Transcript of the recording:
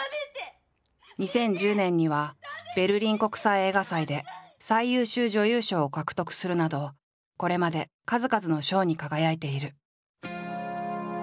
２０１０年にはベルリン国際映画祭で最優秀女優賞を獲得するなどこれまで数々の賞に輝いている。